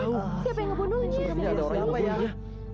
siapa yang membunuhnya